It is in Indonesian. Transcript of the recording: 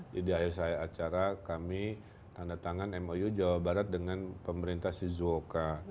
jadi di akhir acara kami tanda tangan mou jawa barat dengan pemerintah shizuoka